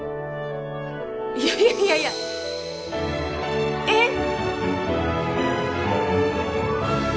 いやいやいやいやえっ！？